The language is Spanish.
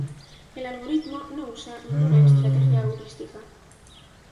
El algoritmo no usa ninguna estrategia heurística.